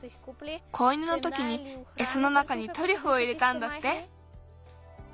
子犬のときにエサの中にトリュフを入れたんだって。